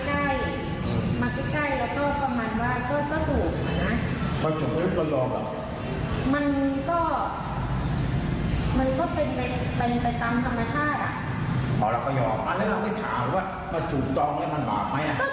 ก็เจ็ดแนะนายดีไงต้องหาเพราะตลอด